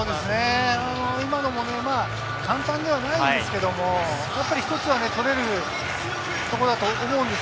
今のも簡単ではないんですけど、１つは取れるところだと思います。